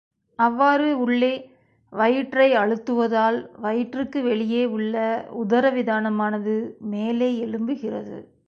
அவ்வாறு உள்ளே வயிற்றை அழுத்துவதால் வயிற்றுக்கு வெளியே உள்ள உதரவிதானமானது மேலே எழும்புகிறது.